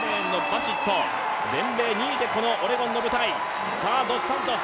全米２位で、このオレゴンの舞台。